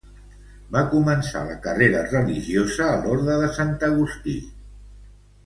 Va començar la carrera religiosa a l'Orde de Sant Agustí.